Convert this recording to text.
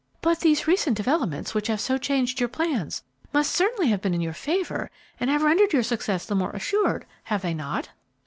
"But these recent developments which have so changed your plans must certainly have been in your favor and have rendered your success the more assured, have they not?"